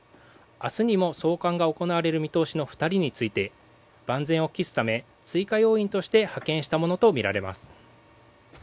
明日にも送還が行われる見通しの２人について万全を期すため、追加要因として派遣したものとみられます。